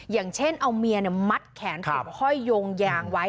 อย่างเช่นเอาเมียมัดแขนติดห้อยโยงยางไว้